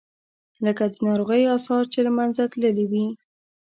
لکه د ناروغۍ آثار چې له منځه تللي وي.